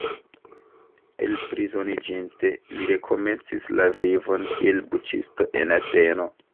Elprizoniĝinte, li rekomencis la vivon kiel buĉisto en Ateno.